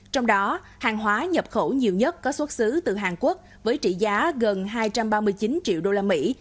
trong đó hàng hóa nhập khẩu nhiều nhất có xuất xứ từ hàn quốc với trị giá gần hai trăm ba mươi chín triệu đô la mỹ